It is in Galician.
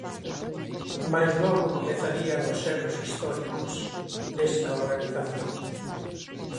Mais logo comezarían os erros históricos desta organización.